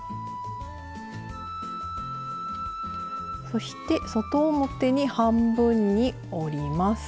そして外表に半分に折ります。